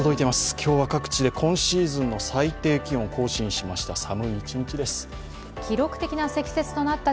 今日は各地で今シーズンの最低気温を更新しました。